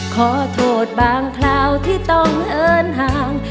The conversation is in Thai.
ขอโทษบางคราวที่ต้องเดินห่าง